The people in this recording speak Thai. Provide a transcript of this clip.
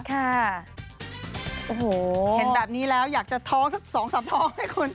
โอ้โหเห็นแบบนี้แล้วอยากจะท้องสัก๒๓ท้องไหมคุณ